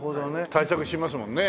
対策しますもんね